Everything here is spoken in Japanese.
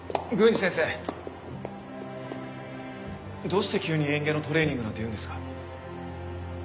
どうして急に嚥下のトレーニングなんて言うんですか？